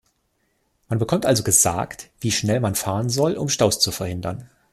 Man bekommt also gesagt, wie schnell man fahren soll, um Staus zu verhindern.